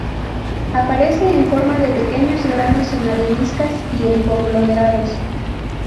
Aparece en forma de pequeños granos en areniscas y en conglomerados.